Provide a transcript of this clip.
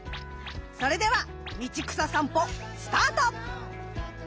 それでは道草さんぽスタート！